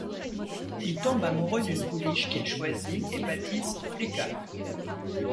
Il tombe amoureux d'une pouliche qu'il choisit et baptise Flicka.